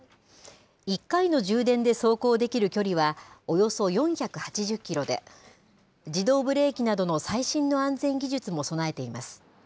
１回の充電で走行できる距離は、およそ４８０キロで、自動ブレーキなどの最新の安全技術も備えています。